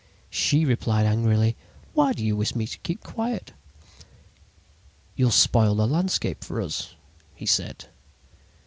"She replied angrily: "'Why do you wish me to keep quiet?' "'You spoil the landscape for us!' he said.